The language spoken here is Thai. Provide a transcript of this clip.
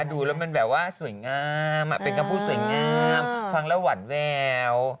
ดูแล้วมันแบบว่าสวยงามเป็นคำพูดสวยงามฟังแล้วหวั่นแวว